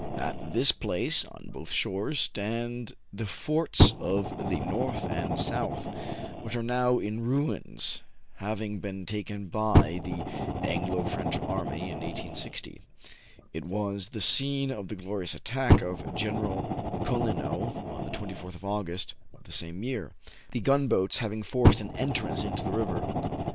At this place, on both shores, stand the Forts of the North and South, which are now in ruins, having been taken by the Anglo French army in i860. It was the scene of the glorious attack of General CoUineau on the 24th of August of the KIN FO TRAVELS AGAIN, 187 same year, the gunboats having forced an en trance into the river.